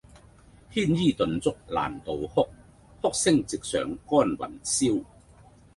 牽衣頓足攔道哭，哭聲直上干云霄！